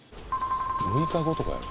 ６日後とかやろ？